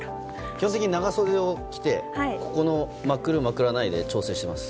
基本的に長袖を着てここのまくる、まくらないで調整しています。